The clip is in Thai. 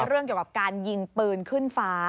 เรื่องเกี่ยวกับการยิงปืนขึ้นฟ้า